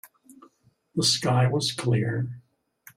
The sky was clear.